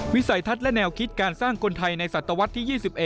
วิสัยทัศน์และแนวคิดการสร้างคนไทยในศตวรรษที่๒๑